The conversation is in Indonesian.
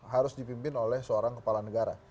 harus dipimpin oleh seorang kepala negara